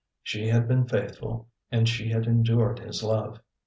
She had been faithful, and she had endured his love.